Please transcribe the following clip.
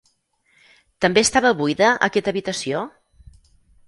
També estava buida, aquesta habitació?